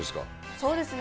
そうですね。